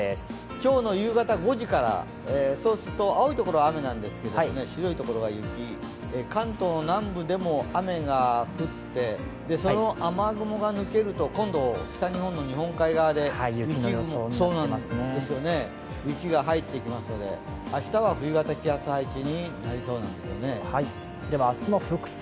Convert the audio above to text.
今日の夕方５時から、青のところは雨、白いところが雪、関東の南部でも雨が降って、その雨雲が抜けると、今度、北日本の日本海側で雪が入っていきますので明日は冬型気圧配置になりそうなんですよね。